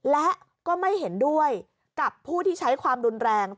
และก็ไม่เห็นด้วยกับผู้ที่ใช้ความรุนแรง